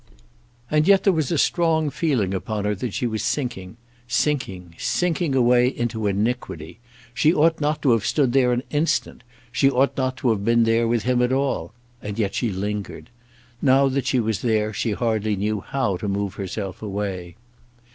And yet there was a strong feeling upon her that she was sinking, sinking, sinking away into iniquity. She ought not to have stood there an instant, she ought not to have been there with him at all; and yet she lingered. Now that she was there she hardly knew how to move herself away.